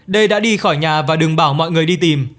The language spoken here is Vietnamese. đê đã đi khỏi nhà và đừng bảo mọi người đi tìm